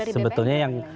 kalau dari bpn